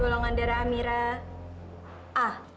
golongan darah amirah